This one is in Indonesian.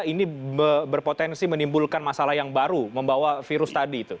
ini berpotensi menimbulkan masalah yang baru membawa virus tadi itu